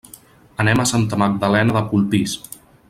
Anem a Santa Magdalena de Polpís.